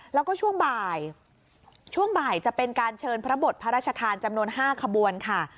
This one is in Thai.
แล้วก็ช่วงบ่ายช่วงบ่ายจะเป็นการเชิญพระบทพระราชทานจำนวน๕ขบวนค่ะ